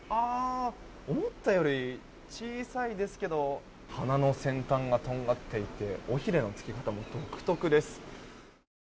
思ったより小さいですけど鼻の先端がとがっていて尾ひれの付き方も独特です。